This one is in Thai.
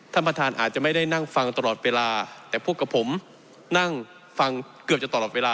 ท่านประธานอาจจะไม่ได้นั่งฟังตลอดเวลาแต่พวกกับผมนั่งฟังเกือบจะตลอดเวลา